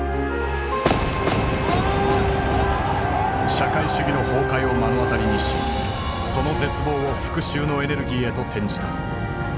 社会主義の崩壊を目の当たりにしその絶望を復讐のエネルギーへと転じた。